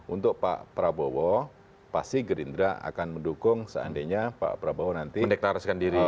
untuk pak prabowo pasti gerindra akan mendukung seandainya pak prabowo nanti mendeklarasikan diri